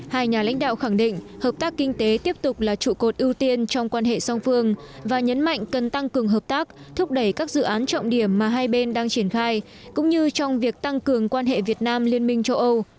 hai nhà lãnh đạo khẳng định hợp tác kinh tế tiếp tục là trụ cột ưu tiên trong quan hệ song phương và nhấn mạnh cần tăng cường hợp tác thúc đẩy các dự án trọng điểm mà hai bên đang triển khai cũng như trong việc tăng cường quan hệ việt nam liên minh châu âu